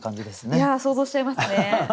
いや想像しちゃいますね。